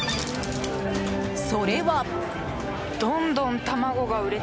それは。